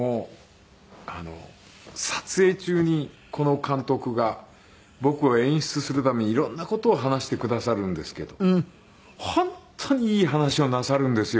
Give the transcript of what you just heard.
撮影中にこの監督が僕を演出するために色んな事を話してくださるんですけど本当にいい話をなさるんですよ。